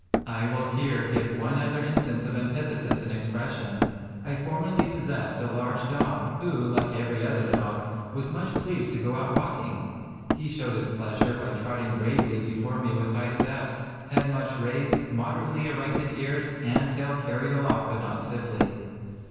I will here give one other instance of antithesis in expression. I formerly possessed a large dog, who, like every other dog, was much pleased to go out walking. He showed his pleasure by trotting gravely before me with high steps, head much raised, moderately erected ears, and tail carried aloft but not stiffly.